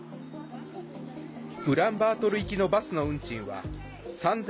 ウランバートル行きのバスの運賃は３０００